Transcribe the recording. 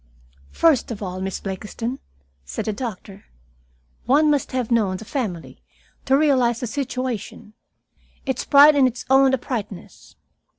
"First of all, Miss Blakiston," said the doctor, "one must have known the family to realize the situation its pride in its own uprightness.